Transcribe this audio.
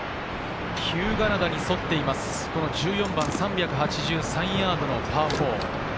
日向灘に沿っています、この１４番３８３ヤードのパー４。